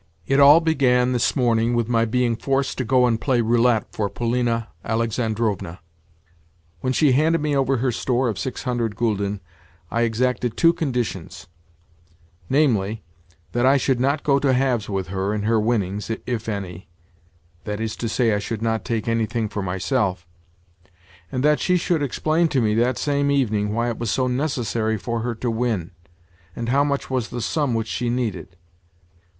It all began, this morning, with my being forced to go and play roulette for Polina Alexandrovna. When she handed me over her store of six hundred gülden I exacted two conditions—namely, that I should not go halves with her in her winnings, if any (that is to say, I should not take anything for myself), and that she should explain to me, that same evening, why it was so necessary for her to win, and how much was the sum which she needed.